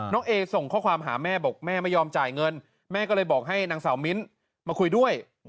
เอส่งข้อความหาแม่บอกแม่ไม่ยอมจ่ายเงินแม่ก็เลยบอกให้นางสาวมิ้นมาคุยด้วย